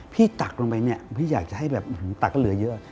พี่ตักลงไปพี่อยากจะให้แบบตักก็เหลือเยอะ